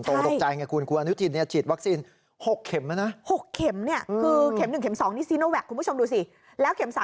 โตรกใจกับคุณคุณอนุทีนฉีดวัคซีน๖เข็มแล้วนะ